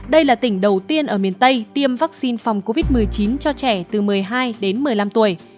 đây là tỉnh đầu tiên ở miền tây tiêm vaccine phòng covid một mươi chín cho trẻ từ một mươi hai đến một mươi năm tuổi